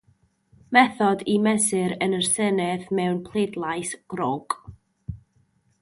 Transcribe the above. Methodd y mesur yn y Senedd mewn pleidlais grog.